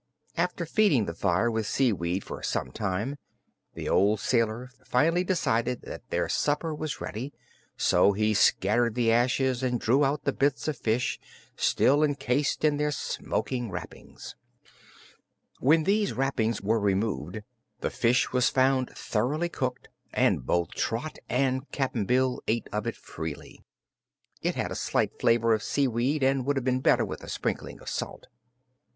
After feeding the fire with seaweed for some time, the sailor finally decided that their supper was ready, so he scattered the ashes and drew out the bits of fish, still encased in their smoking wrappings. When these wrappings were removed, the fish was found thoroughly cooked and both Trot and Cap'n Bill ate of it freely. It had a slight flavor of seaweed and would have been better with a sprinkling of salt.